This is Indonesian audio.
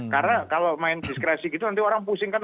karena kalau main diskresi gitu nanti orang pusing kan